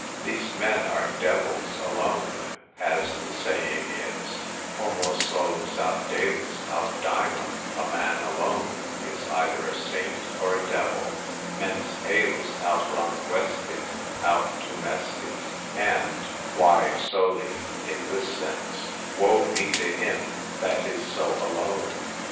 These men are devils alone, as the saying is, Homo solus aut Deus, aut Daemon: a man alone, is either a saint or a devil, mens ejus aut languescit, aut tumescit; and Vae soli in this sense, woe be to him that is so alone.